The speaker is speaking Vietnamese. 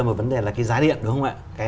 mà vấn đề là cái giá điện đúng không ạ